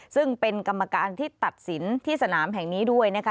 ซึ่งเป็นกรรมการที่ตัดสินที่สนามแห่งนี้ด้วยนะคะ